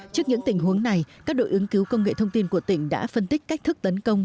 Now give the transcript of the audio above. trước những tình huống này các đội ứng cứu công nghệ thông tin của tỉnh đã phân tích cách thức tấn công